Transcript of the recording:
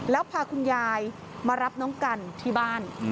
แล้วพาคุณยายมารับน้องกันที่บ้าน